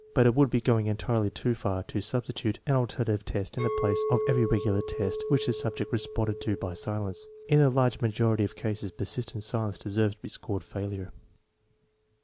But it would be going entirely too fax to substitute an alter INSTRUCTIONS FOR USING 137 native test in the place of every regular test which the subject responded to by silence. In the large majority of cases persistent silence deserves to be scored failure.